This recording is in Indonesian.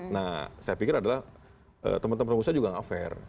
nah saya pikir adalah teman teman pengusaha juga gak fair